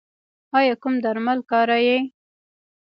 ایا کوم درمل کاروئ؟